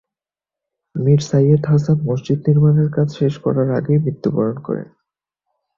মির সাইয়্যেদ হাসান মসজিদ নির্মানের কাজ শেষ করার আগেই মৃত্যুবরণ করেন।